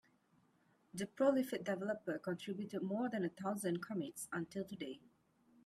The prolific developer contributed more than a thousand commits until today.